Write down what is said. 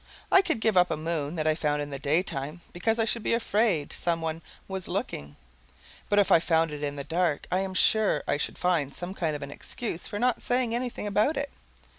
I could give up a moon that I found in the daytime, because I should be afraid some one was looking; but if I found it in the dark, I am sure I should find some kind of an excuse for not saying anything about it.